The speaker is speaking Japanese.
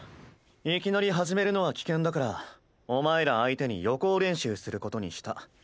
いきなり始めるのは危険だからお前ら相手に予行練習することにした。